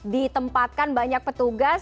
ditempatkan banyak petugas